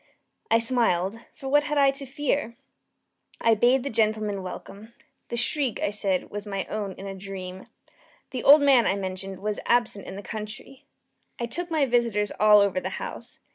I smiled, for what had I to fear? I bade the gentlemen welcome. The shriek, I said, was my own in a dream. The old man, I mentioned, was absent in the country. I took my visitors all over the house.